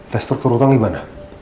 restruktur utang gimana